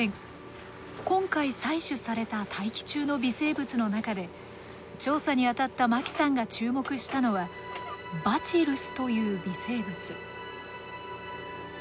今回採取された大気中の微生物の中で調査にあたった牧さんが注目したのはバチルスという微生物。